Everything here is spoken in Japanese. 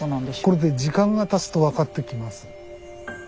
これね時間がたつと分かってきます。